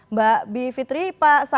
mbak bivitri pak saan